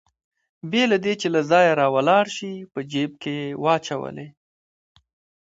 بې له دې چې له ځایه راولاړ شي په جېب کې يې واچولې.